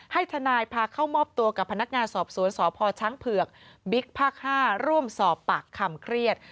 ให้ทนายพาเข้ามอบตัวกับพนักงานสอบสวนสพช้างเผือกบิ๊กภาค๕ร่วมสอบปากคำเครียด